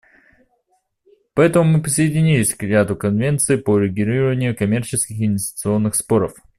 Поэтому мы присоединились к ряду конвенций по урегулированию коммерческих и инвестиционных споров.